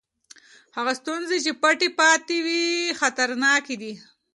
هغه ستونزې چې پټې پاتې وي خطرناکې دي.